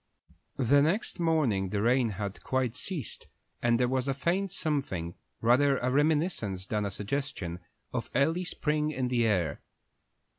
The next morning the rain had quite ceased, and there was a faint something, rather a reminiscence than a suggestion, of early spring in the air.